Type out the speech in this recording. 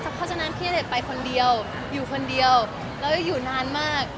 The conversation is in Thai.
แต่แต่เขาจะน้องพี่ณเดชน์ไปคนเดียวอยู่คนเดียวและอยู่นานมาก